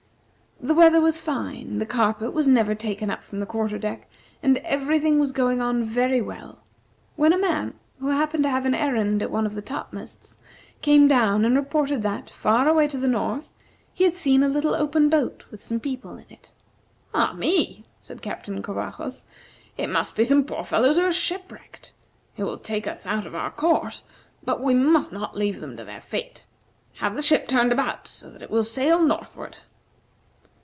The weather was fine, the carpet was never taken up from the quarter deck, and every thing was going on very well, when a man, who happened to have an errand at one of the topmasts, came down, and reported that, far away to the north, he had seen a little open boat with some people in it. "Ah me!" said Captain Covajos, "it must be some poor fellows who are shipwrecked. It will take us out of our course, but we must not leave them to their fate. Have the ship turned about, so that it will sail northward."